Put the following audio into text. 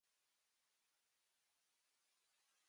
In the former she has attained full fluency.